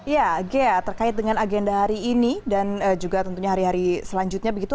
ya ghea terkait dengan agenda hari ini dan juga tentunya hari hari selanjutnya begitu